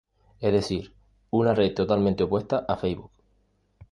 Es decir, una red totalmente opuesta a Facebook.